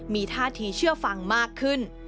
มีท่าทีเชื่อฟังมากขึ้น